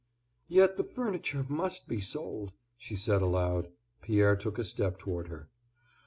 "Yet the furniture must be sold," she said aloud. Pierre took a step toward her.